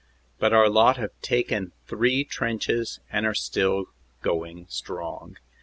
"But our lot have taken three trenches and are still going strong."